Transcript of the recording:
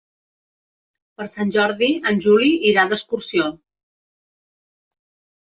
Per Sant Jordi en Juli irà d'excursió.